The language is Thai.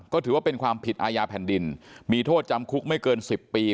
ก็ถือว่าเป็นความผิดอาญาแผ่นดินมีโทษจำคุกไม่เกิน๑๐ปี